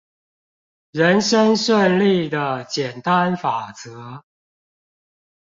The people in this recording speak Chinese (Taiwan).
人生順利的簡單法則